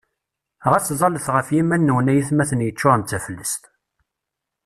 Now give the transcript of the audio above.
Ɣas ẓallet ɣef yiman-nwen ay atmaten yeččuren d taflest!